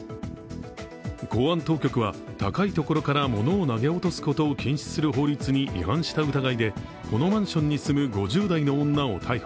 公安当局は、高い所からものを投げ落とすことを禁止した法律に違反した疑いでこのマンションに住む５０代の女を逮捕。